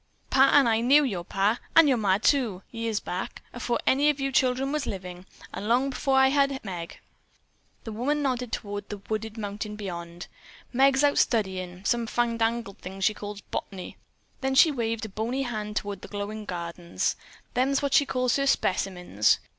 Pa and I knew your pa, and your ma, too, years back, afore any of you children was living, and long afore I had Meg." The woman nodded toward the wooded mountain beyond. "Meg's out studyin' some fandangled thing she calls bot'ny." Then she waved a bony hand toward the glowing gardens. "Them's what she calls her specimens.